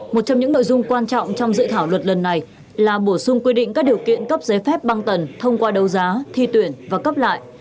một trong những nội dung quan trọng trong dự thảo luật lần này là bổ sung quy định các điều kiện cấp giấy phép băng tần thông qua đấu giá thi tuyển và cấp lại